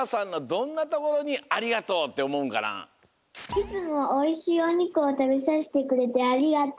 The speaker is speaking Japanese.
いつもおいしいおにくをたべさせてくれてありがとう。